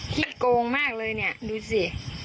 ที่โกงมากเลยเนี่ยดูสิ